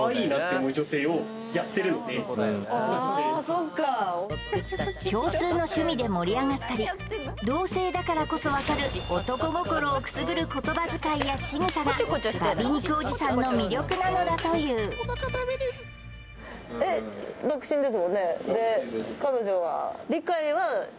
そっか共通の趣味で盛り上がったり同性だからこそ分かる男心をくすぐる言葉遣いやしぐさがバ美肉おじさんの魅力なのだという独身です